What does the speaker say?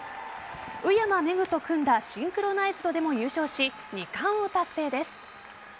宇山芽紅と組んだシンクロナイズドでも優勝し２冠を達成です。